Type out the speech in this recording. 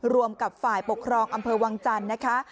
รวมกับฝ่ายปกครองอำเภอวังจันทร์นะคะ